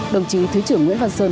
đồng chí thứ trưởng nguyễn văn sơn